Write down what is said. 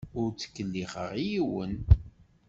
Ur ttkellixeɣ i yiwen.